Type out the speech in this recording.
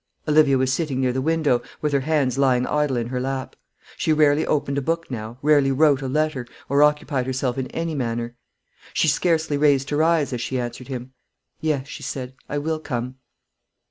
Olivia was sitting near the window, with her hands lying idle in her lap. She rarely opened a book now, rarely wrote a letter, or occupied herself in any manner. She scarcely raised her eyes as she answered him. "Yes," she said; "I will come."